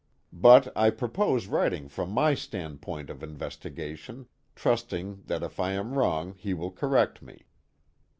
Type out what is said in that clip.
Bui I purpose writing from my standpoint of investigation, trust ing that if I am wrong he will correct me.